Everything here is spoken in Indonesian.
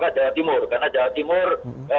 karena jawa timur adalah tempat yang paling tinggi